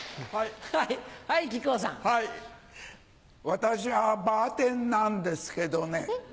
私はバーテンなんですけどね